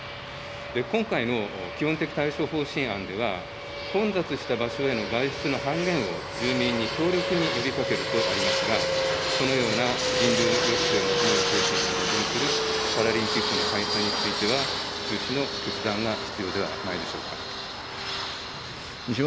今回の基本的対処方針案では、混雑した場所への外出の半減を住民に強力に呼びかけるとありますが、このような人流抑制を求める方針と矛盾するパラリンピックの開催については中止の決断が必要ではないでしょうか。